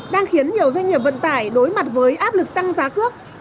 đang khiến nhiều doanh nghiệp vận tải đối mặt với áp lực tăng giá cước